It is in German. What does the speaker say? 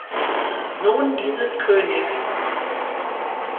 Sohn dieses Königs.